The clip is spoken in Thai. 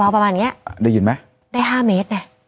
ประมาณเงี้ยได้ยินไหมได้ห้าเมตรเนี้ย